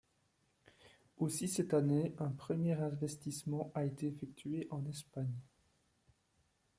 Aussi cette année, un premier investissement a été effectué en Espagne.